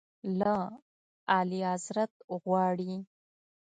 له اعلیحضرت غواړي.